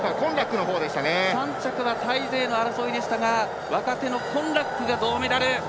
３着はタイ勢の争いでしたが若手のコンラックが銅メダル。